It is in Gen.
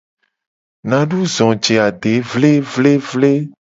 Nadu zo je ade vlevlevle.